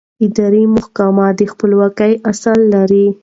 اداري محاکم د خپلواکۍ اصل لري.